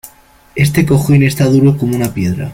Este cojín está duro como una piedra.